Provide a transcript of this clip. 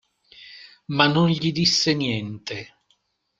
Ma non gli disse niente.